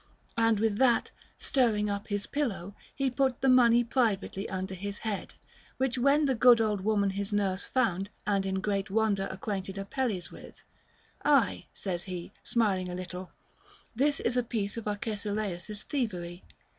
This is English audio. And with that, stirring up his pillow, he put the money privately under his head ; which when the good old woman his nurse found and in great wonder acquainted Apelles with, Ave, says he, smiling a little, this is a piece of Arcesilaus's thievery.